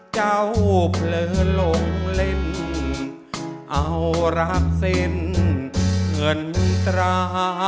เผลอลงเล่นเอารักสิ้นเงินตรา